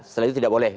setelah itu tidak boleh